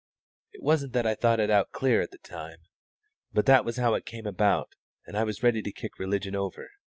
It wasn't that I thought it out clear at the time; but that was how it came about, and I was ready to kick religion over.